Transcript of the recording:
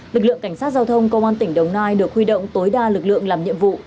lực lượng cảnh sát giao thông công an tỉnh đồng nai được huy động tối đa lực lượng làm nhiệm vụ